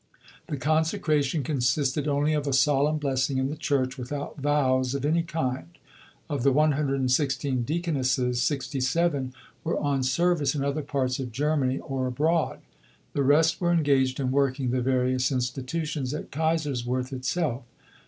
The "consecration" consisted only of "a solemn blessing in the Church, without vows of any kind." Of the 116 deaconesses, 67 were on service in other parts of Germany, or abroad; the rest were engaged in working the various institutions at Kaiserswerth itself.